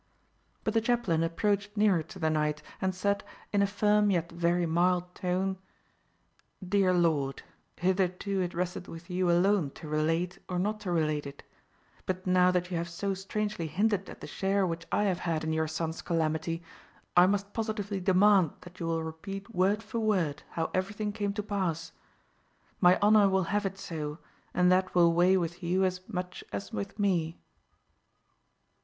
But the chaplain approached nearer to the knight, and said, in a firm yet very mild tone, "Dear lord, hitherto it rested with you alone to relate, or not to relate it; but now that you have so strangely hinted at the share which I have had in your son's calamity, I must positively demand that you will repeat word for word how everything came to pass. My honour will have it so, and that will weigh with you as much as with me."